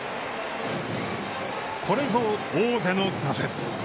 これぞ王者の打線。